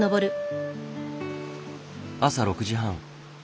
朝６時半。